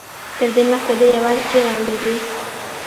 تر دې مخکې ده يوازې چيغې اورېدې.